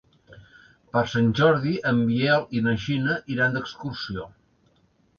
Per Sant Jordi en Biel i na Gina iran d'excursió.